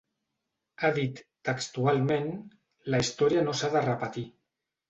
Ha dit, textualment: La història no s’ha de repetir.